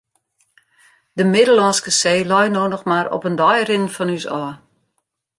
De Middellânske See lei no noch mar op in dei rinnen fan ús ôf.